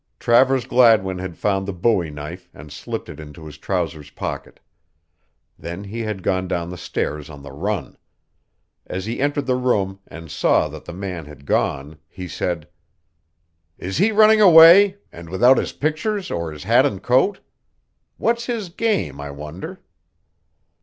Travers Gladwin had found the bowie knife and slipped it into his trousers pocket. Then he had gone down the stairs on the run. As he entered the room and saw that the man had gone he said: "Is he running away and without his pictures or his hat and coat. What's his game, I wonder."